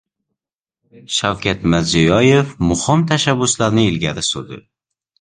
Shavkat Mirziyoyev muhim tashabbuslarni ilgari surdi